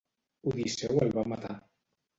Odisseu el va matar.